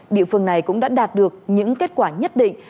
địa phương này cũng đã đạt được những kết quả nhất định